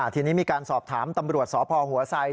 ทีนี้มีการสอบถามตำรวจสพหัวไซด